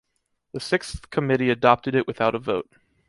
The Sixth Committee adopted it without a vote.